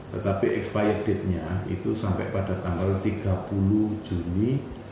tetapi expirednya itu sampai pada tanggal tiga puluh juni dua ribu dua puluh